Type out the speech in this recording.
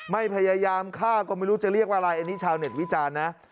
พยายามฆ่าก็ไม่รู้จะเรียกว่าอะไรอันนี้ชาวเน็ตวิจารณ์นะ